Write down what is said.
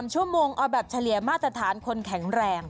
ชั่วโมงเอาแบบเฉลี่ยมาตรฐานคนแข็งแรง